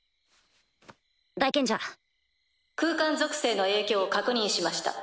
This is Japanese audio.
大賢者空間属性の影響を確認しました。